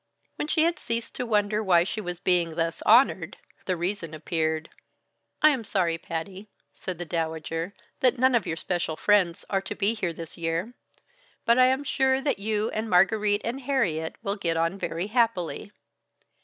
When she had ceased to wonder why she was being thus honored, the reason appeared. "I am sorry, Patty," said the Dowager, "that none of your special friends are to be here this year; but I am sure that you and Margarite and Harriet will get on very happily.